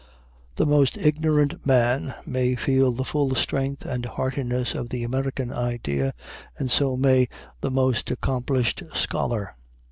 The most ignorant man may feel the full strength and heartiness of the American idea, and so may the most accomplished scholar.